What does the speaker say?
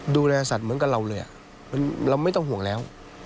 ดูแลสัตว์เหมือนกับเราเลยเราไม่ต้องห่วงแล้ว